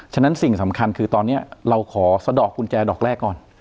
ฉะนั้นสิ่งสำคัญคือตอนนี้เราขอสะดอกกุญแจดอกแรกก่อน